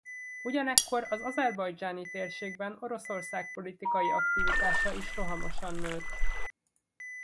Ugyanekkor az azerbajdzsáni térségben Oroszország politikai aktivitása is rohamosan nőtt.